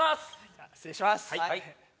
じゃあ失礼します